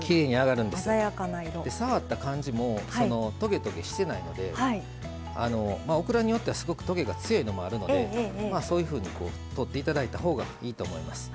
触った感じもトゲトゲしてないのでオクラによってはすごくトゲが強いのもあるのでそういうふうに取って頂いたほうがいいと思います。